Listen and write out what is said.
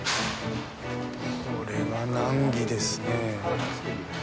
これは難儀ですね。